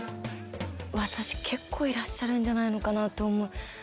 私結構いらっしゃるんじゃないのかなと思う。